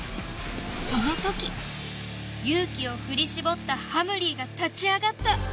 そのとき勇気を振り絞ったはむりぃが立ち上がった。